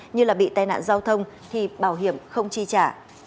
như là bị tai nạn giao thông thì bảo hiểm không chi trả